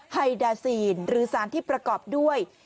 ไฮดาซีนหรือสารที่ประกอบด้วย